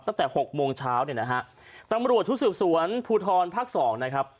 ตั้งแต่หกโมงเช้าเนี่ยนะฮะตำรวจชุดสืบสวนภูทรภาคสองนะครับ